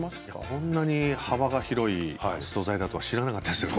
こんなに幅が広い素材だと知らなかったですね。